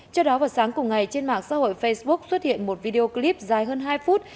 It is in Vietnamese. trước đó vào sáng cùng ngày trên mạng xã hội facebook xuất hiện một video clip dài hơn hai phút